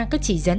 các chỉ dấn